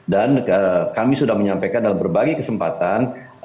dan kami sudah menyampaikan dalam berbagai kesempatan